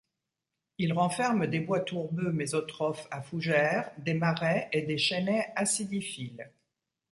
Il renferme des bois tourbeux mésotrophes à Fougère des marais et des Chênaies acidiphiles.